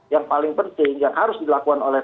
yang paling penting yang harus dilakukan oleh